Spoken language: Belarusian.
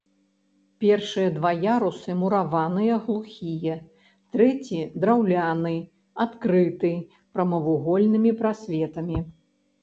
Першыя два ярусы мураваныя глухія, трэці драўляны, адкрыты прамавугольнымі прасветамі.